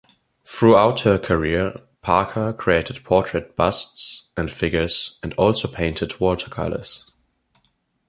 Throughout her career Parker created portrait busts and figures and also painted watercolours.